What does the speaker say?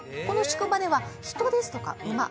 この宿場では人ですとか馬